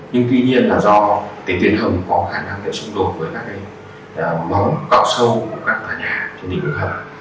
nhưng tuy nhiên là do tiến hầm có khả năng để xung đột với mỏng cạo sâu của các tòa nhà trên địa phương hầm